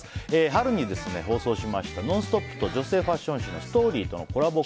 春に放送しました「ノンストップ！」と女性ファッション誌の「ＳＴＯＲＹ」とのコラボ